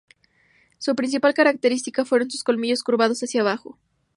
Su principal característica fueron sus colmillos curvados hacía abajo.